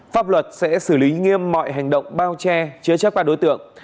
pháp luật sẽ xử lý nghiêm mọi hành động bao che chứa chắc qua đối tượng